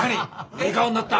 いい顔になった。